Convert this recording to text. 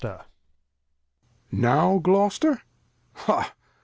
Lear. Now Gloster Ha!